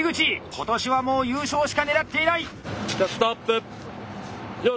今年はもう優勝しか狙っていない！